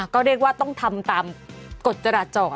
ก็เรียกว่าต้องทำตามกฎจราจร